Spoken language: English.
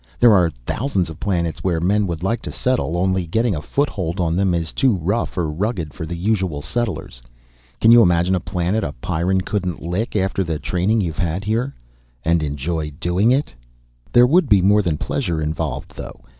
There are thousands of planets where men would like to settle, only getting a foothold on them is too rough or rugged for the usual settlers. Can you imagine a planet a Pyrran couldn't lick after the training you've had here? And enjoy doing it? "There would be more than pleasure involved, though.